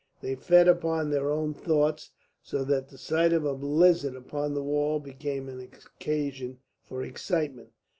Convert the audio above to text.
They fed upon their own thoughts, so that the sight of a lizard upon the wall became an occasion for excitement.